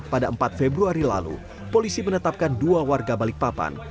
pada empat februari lalu polisi menetapkan dua warga balikpapan